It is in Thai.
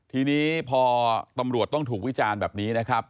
ทีนี้พอตำรวจต้องถูกวิจารณ์แบบนี้นะครับ